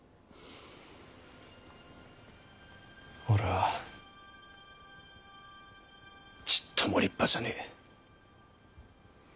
俺はちっとも立派じゃねぇ。